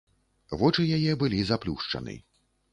Вочы яе былі заплюшчаны.